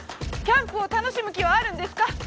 キャンプを楽しむ気はあるんですか？